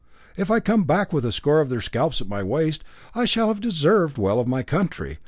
If I come back with a score of their scalps at my waist, I shall have deserved well of my country.